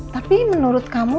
tapi menurut kamu